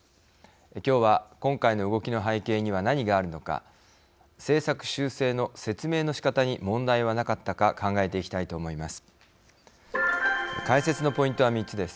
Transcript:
今日は、今回の動きの背景には何があるのか政策修正の説明のしかたに問題はなかったか考えていきたいと思います。